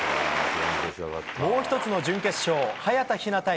もう１つの準決勝、早田ひな対